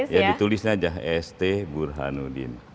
ya ditulis aja st burhanuddin